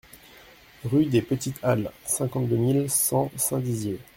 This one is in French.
Rue des Petites Halles, cinquante-deux mille cent Saint-Dizier